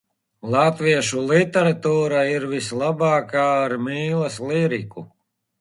Latviešu literatūra ir visbagātākā ar mīlas liriku.